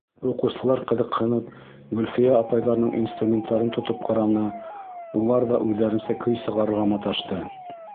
Уҡыусылар ҡыҙыҡһынып Гөлфиә апайҙарының инструменттарын тотоп ҡараны, уларҙа үҙҙәренсә көй сығарырға маташты.